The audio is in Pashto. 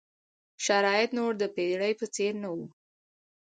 شرایط نور د پېړۍ په څېر نه وو.